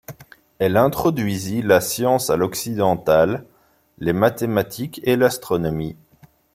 Elle introduisit la science à l'occidentale, les mathématiques et l'astronomie.